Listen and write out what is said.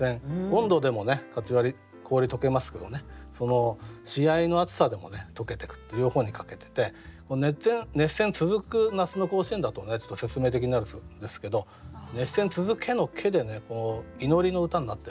温度でもカチワリ氷溶けますけどねその試合の熱さでも溶けてくって両方にかけてて「熱戦続く夏の甲子園」だとちょっと説明的になるんですけど「熱戦続け」の「け」でね祈りの歌になってるんですよね。